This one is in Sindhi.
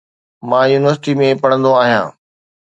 مان يونيورسٽي ۾ پڙھندو آھيان